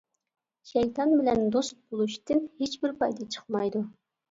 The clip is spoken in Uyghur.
شەيتان بىلەن دوست بولۇشتىن ھېچبىر پايدا چىقمايدۇ.